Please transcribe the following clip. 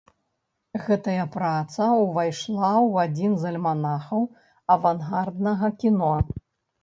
Гэтая праца ўвайшла ў адзін з альманахаў авангарднага кіно.